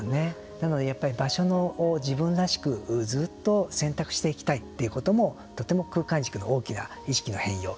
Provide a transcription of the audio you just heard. なのでやっぱり場所を自分らしくずうっと選択していきたいということもとても空間軸の大きな意識の変容。